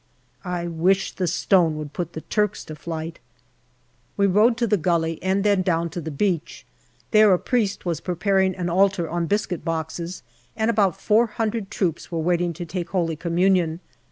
I wish the stone would put the Turks to flight. We rode to the gully, and then down on to the beach ; there a priest was preparing an altar on biscuit boxes, and about four hundred troops were waiting to take Holy Communion.